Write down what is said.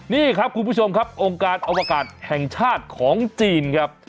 นี่ครับคุณผู้ชมครับองค์การอวกาศแห่งชาติของจีนครับ